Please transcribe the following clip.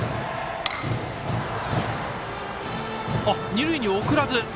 二塁に送らず。